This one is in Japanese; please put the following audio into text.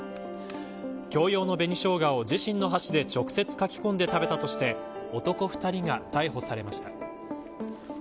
共用の紅しょうがを自身の箸で直接かき込んで食べたとして男２人が逮捕されました。